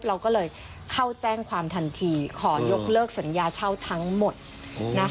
เราก็เลยเข้าแจ้งความทันทีขอยกเลิกสัญญาเช่าทั้งหมดนะคะ